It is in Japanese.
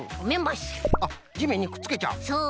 あっじめんにくっつけちゃう？